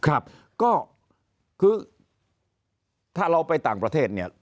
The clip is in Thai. ครับก็คือถ้าเราไปต่างประเทศเนี่ย